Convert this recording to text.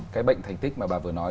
cái bệnh thành tích mà bà vừa nói